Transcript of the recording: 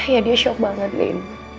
ya dia shock banget nih